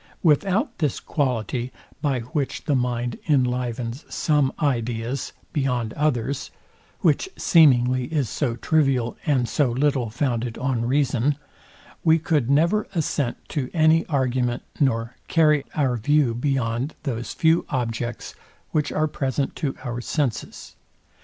Without this quality, by which the mind enlivens some ideas beyond others (which seemingly is so trivial, and so little founded on reason) we could never assent to any argument, nor carry our view beyond those few objects, which are present to our senses.